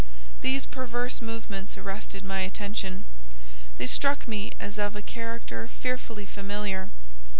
These perverse movements arrested my attention, they struck me as of a character fearfully familiar.